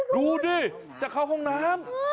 ดูดิจะเข้าห้องน้ำ